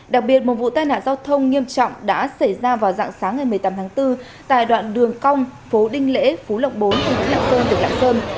đặc biệt một vụ tai nạn giao thông nghiêm trọng đã xảy ra vào dạng sáng ngày một mươi tám tháng bốn tại đoạn đường công phố đinh lễ phố lộc bốn tỉnh lạng sơn tỉnh lạng sơn